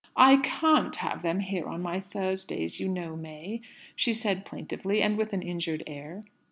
"I can't have them here on my Thursdays, you know, May," she said plaintively, and with an injured air.